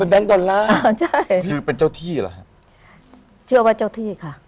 แก๊งดอลลาร์อ่าใช่คือเป็นเจ้าที่เหรอฮะเชื่อว่าเจ้าที่ค่ะ